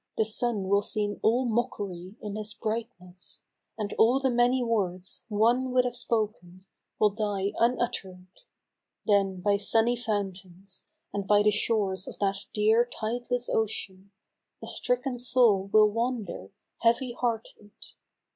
The sun will seem all mockery in his brightness, And all the many words one would have spoken, I 114 Ah! Remember, Will die unutter'd ; then by sunny fountains, And by the shores of that dear tideless ocean, A stricken soul will wander, heavy hearted.